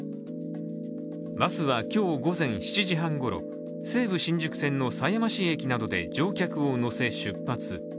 バスは今日午前７時半ごろ、西武新宿線の狭山市駅などで乗客を乗せ、出発。